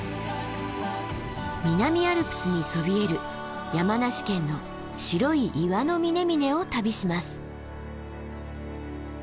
南アルプスにそびえる山梨県の白い岩の峰々を旅します。